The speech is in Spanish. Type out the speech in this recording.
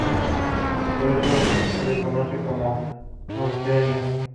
Por eso se le conoce como Oncenio.